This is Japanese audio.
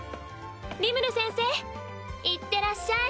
リムル先生いってらっしゃい！